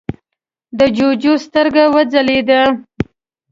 د جُوجُو سترګه وځلېده: